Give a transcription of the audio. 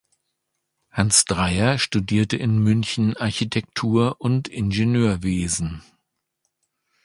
Hans Dreier studierte in München Architektur und Ingenieurwesen.